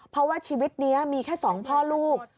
เพราะว่าชีวิตนี้มีแค่๒พ่อลูก